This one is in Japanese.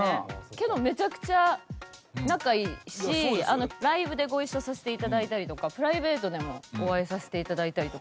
けどめちゃくちゃ仲いいしライブでご一緒させていただいたりとかプライベートでもお会いさせていただいたりとかして。